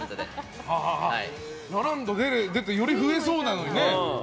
ラランド出てより増えそうなのにね。